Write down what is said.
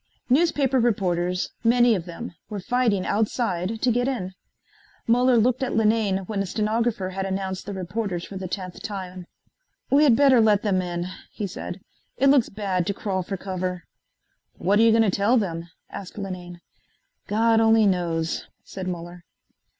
Newspaper reporters, many of them, were fighting outside to get in. Muller looked at Linane when a stenographer had announced the reporters for the tenth time. "We had better let them in," he said, "it looks bad to crawl for cover." "What are you going to tell them?" asked Linane. "God only knows," said Muller.